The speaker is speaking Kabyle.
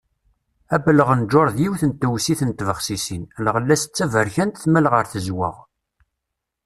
Abelɣenǧur d yiwet n tewsit n tbexsisin, lɣella-s d taberkant tmal ɣer tezweɣ.